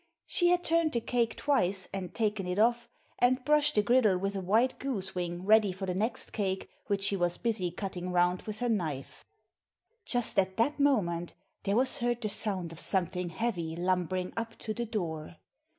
She had turned the cake twice, and taken it off, and brushed the griddle with a white goose wing ready for the next cake which she was busy cutting round with her knife. Just at that moment there was heard the sound of something heavy lumbering up to the door.